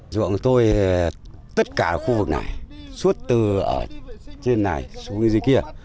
dụng tôi tất cả khu vực này suốt từ trên này xuống dưới kia